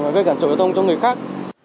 và gây cản trở giao thông cho người khác